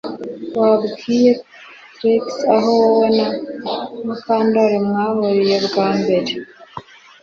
Wabwiye Trix aho wowe na Mukandoli mwahuriye bwa mbere